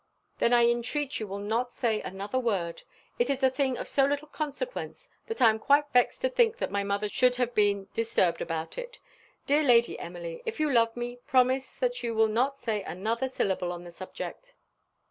"Then I entreat you will not say another word. It is a thing of so little consequence, that I am quite vexed to think that my mother should have been disturbed about it. Dear Lady Emily, if you love me, promise that you will not say another syllable on the subject."